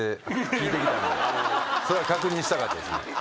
それ確認したかったですね。